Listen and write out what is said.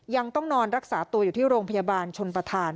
ยังต้องนอนรักษาตัวอยู่ที่โรงพยาบาลชนประธาน